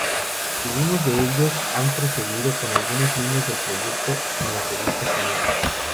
Algunos de ellos han proseguido con algunas líneas del proyecto en la revista "Quimera".